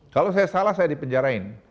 kalau saya salah saya dipenjarain